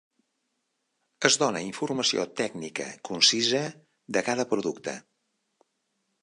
Es dona informació tècnica concisa de cada producte.